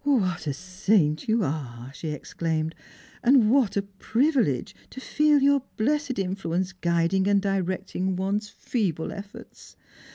" AVhat a saint you are !" she exclaimed ;" and what a privilege to feel your blessed influence guiding and directing or.e's feeble efforts!